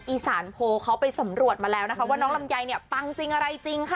อีสานโพเขาไปสำรวจมาแล้วนะคะว่าน้องลำไยเนี่ยปังจริงอะไรจริงค่ะ